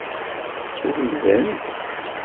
Demmren-t.